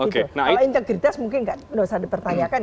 kalau integritas mungkin tidak perlu dipertanyakan